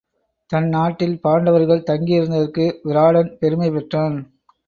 தன் நாட்டில் பாண்டவர்கள் தங்கி இருந்ததற்கு விராடன் பெருமை பெற்றான்.